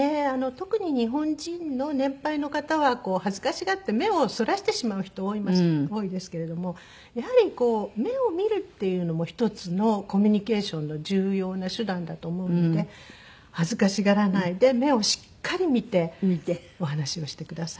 特に日本人の年配の方は恥ずかしがって目をそらしてしまう人多いですけれどもやはりこう目を見るっていうのも１つのコミュニケーションの重要な手段だと思うので恥ずかしがらないで目をしっかり見てお話をしてくださいという事。